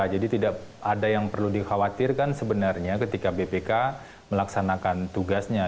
jadi tidak ada yang perlu dikhawatirkan sebenarnya ketika bpk melaksanakan tugasnya